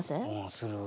する。